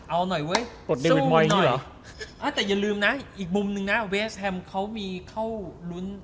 เอาหน่อยเว้ยอ่ะแต่อย่าลืมน่ะอีกมุมหนึ่งน่ะเวสแฮมเขามีเข้ารุ้น